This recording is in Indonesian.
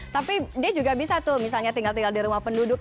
tapi dia juga bisa tuh misalnya tinggal tinggal di rumah penduduk